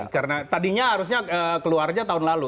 karena tadinya harusnya keluarnya tahun lalu